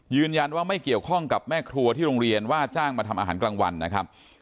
ยืนยันว่าไม่เกี่ยวข้องกับแม่ครัวที่โรงเรียนว่าจ้างมาทำอาหารกลางวันนะครับ